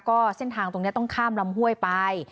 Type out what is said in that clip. ก็เส้นทางตรงนี้ต้องข้ามลำห้วยไป